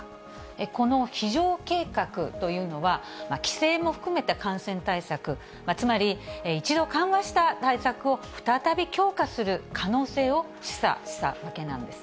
この非常計画というのは、規制も含めた感染対策、つまり一度緩和した対策を再び強化する可能性を示唆したわけなん